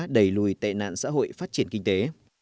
đẩy lùi tệ nạn xã hội phát triển kinh tế